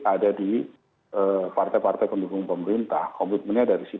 ada di partai partai pendukung pemerintah komitmennya dari situ